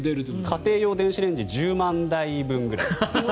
家庭用電子レンジ１０万台分くらい。